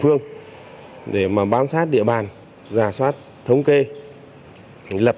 khu vực tiếp công tác điều trị và phòng chống dịch